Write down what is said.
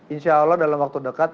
insya allah dalam waktu dekat